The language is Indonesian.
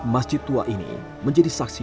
masjid tua ini menjadi saksi